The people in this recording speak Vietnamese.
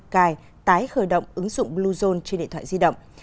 cài tái khởi động ứng dụng bluezone trên điện thoại di động